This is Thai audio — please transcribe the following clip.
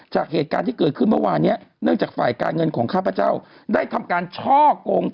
จากเหตุการณ์ที่เกิดขึ้นเมื่อวานเนี้ยเนื่องจากฝ่ายการเงินของข้าพเจ้าได้ทำการช่อกง